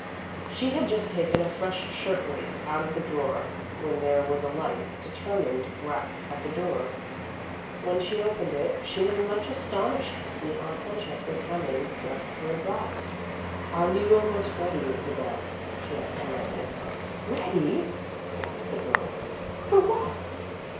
She had just taken a fresh shirtwaist out of the drawer when there was a light, determined rap at the door. When she opened it, she was much astonished to see Aunt Francesca come in, dressed for a drive. "Are you almost ready, Isabel?" she asked, politely. "Ready," gasped the girl. "For what?"